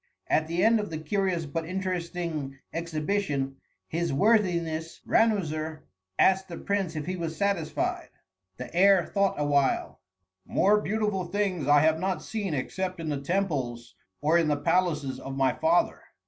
At the end of the curious but interesting exhibition, his worthiness Ranuzer asked the prince if he was satisfied. The heir thought awhile. "More beautiful things I have not seen except in the temples or in the palaces of my father.